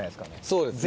そうですね。